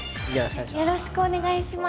よろしくお願いします。